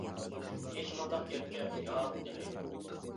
ھېچ قانداق گەپكە «ياق» دېمەيدۇ.